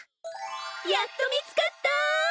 やっと見つかった！